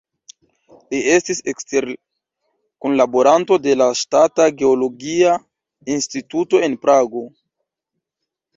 Li estis ekstera kunlaboranto de la Ŝtata Geologia Instituto en Prago.